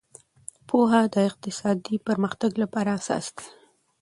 پوهه د اقتصادي پرمختګ لپاره اساس دی.